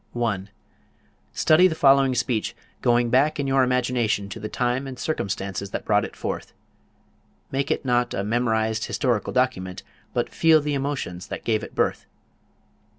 1. Study the following speech, going back in your imagination to the time and circumstances that brought it forth. Make it not a memorized historical document, but feel the emotions that gave it birth.